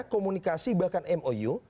komunikasi bahkan mou